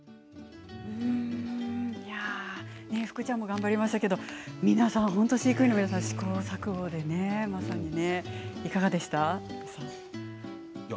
ふくちゃんも頑張りましたけど飼育員の皆さんも試行錯誤でねいかがですか。